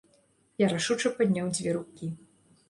Я рашуча падняў дзве рукі.